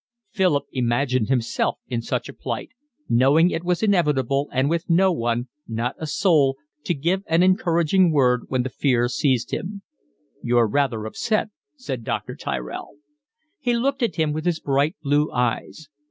Philip imagined himself in such a plight, knowing it was inevitable and with no one, not a soul, to give an encouraging word when the fear seized him. "You're rather upset," said Dr. Tyrell. He looked at him with his bright blue eyes.